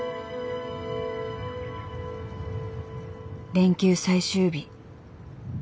連休最終日。